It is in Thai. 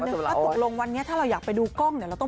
ถ้าถูกลงวันนี้ถ้าเราอยากไปดูกล้อง